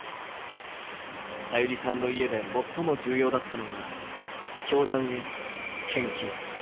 さゆりさんの家で最も重要だったのは、教団への献金。